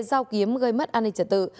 dao kiếm gây mất an ninh trẻ tử